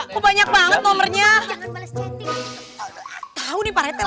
cepet pak rt